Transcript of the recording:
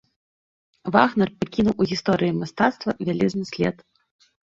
Вагнер пакінуў у гісторыі мастацтва вялізны след.